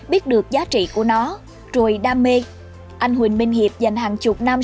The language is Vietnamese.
biết được giá trị của nó rồi đam mê anh huỳnh minh hiệp dành hàng chục năm